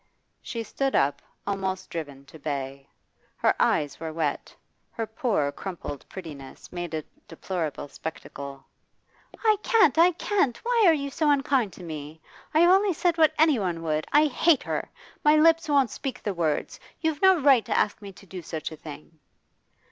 She stood up, almost driven to bay. Her eyes were wet, her poor, crumpled prettiness made a deplorable spectacle. 'I can't, I can't! Why are you so unkind to me? I have only said what any one would. I hate her! My lips won't speak the words. You've no right to ask me to do such a thing.